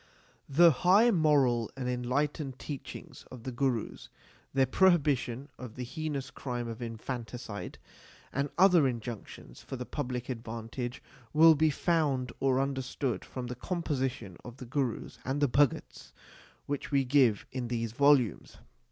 The high moral and enlightened teachings of the Gurus, their prohibition of the heinous crime of infanticide, and other injunctions for the public advantage will be found or understood from the composition of the Gurus and the Bhagats which we give in these volumes.